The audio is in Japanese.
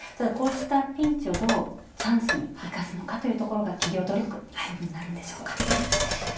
こうしたピンチをどうチャンスにいかすのかというのが企業努力になるんでしょうか。